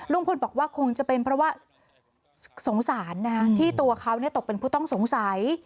บอกว่าคงจะเป็นเพราะว่าสงสารที่ตัวเขาตกเป็นผู้ต้องสงสัย